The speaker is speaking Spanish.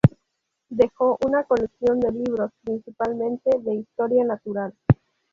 Dejó una colección de libros, principalmente de historia natural.